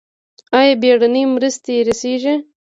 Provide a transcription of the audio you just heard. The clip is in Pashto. آیا بیړنۍ مرستې رسیږي؟